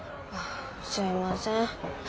あすいません。